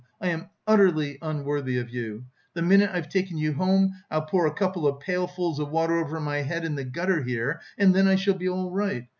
I am utterly unworthy of you! The minute I've taken you home, I'll pour a couple of pailfuls of water over my head in the gutter here, and then I shall be all right....